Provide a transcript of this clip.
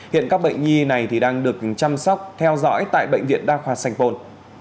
hiện các bệnh nhi này đang được chăm sóc theo dõi tại bệnh viện đa khoa sành pôn